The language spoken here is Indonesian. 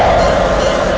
amin ya rukh alamin